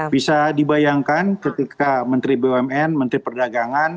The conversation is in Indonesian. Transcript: bisa dibayangkan ketika menteri bumn menteri perdagangan yang memiliki perusahaan yang berbeda